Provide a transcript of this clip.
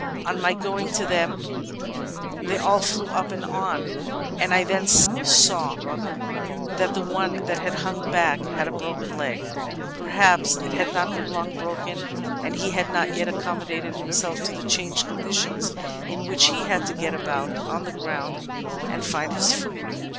On my going to them they aU flew up and on, and I then saw that the one that had hung back had a broken leg. Perhaps it had not been long broken, and he had not yet accom modated himself to the changed conditions in which he had to get about on the groimd and find his food.